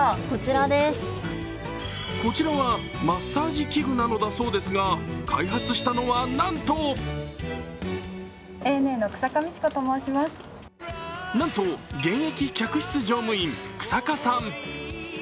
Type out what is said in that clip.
こちらはマッサージ器具なのだそうですが開発したのは、なんとなんと現役客室乗務員、日下さん。